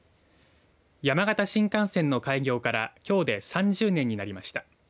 山形新幹線の開業からきょうで３０年になりました。